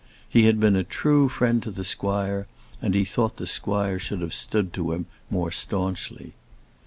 He had been a true friend to the squire, and he thought the squire should have stood to him more staunchly.